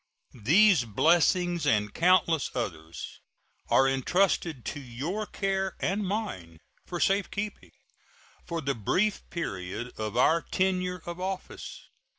These blessings and countless others are intrusted to your care and mine for safe keeping for the brief period of our tenure of office.